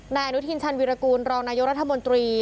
นายอนุทินชันวิรากูลรองนายกรัฐมนตรี